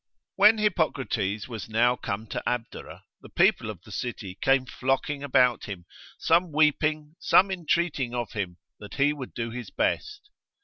When Hippocrates was now come to Abdera, the people of the city came flocking about him, some weeping, some intreating of him, that he would do his best.